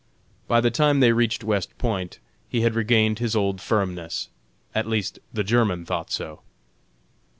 By the time they reached West Point he had regained his old firmness at least the German thought so.